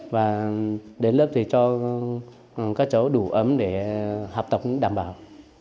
và đến lớp thì cho các cháu đủ ấm để học tập đảm bảo